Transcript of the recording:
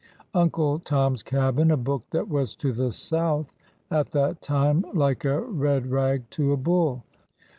'"'' Uncle Tom's Cabin !" a book that was to the South at that time like a red rag to a bull